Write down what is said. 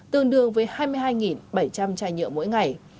tương đương với hai mươi hai bảy trăm linh chai nhựa mỗi ngày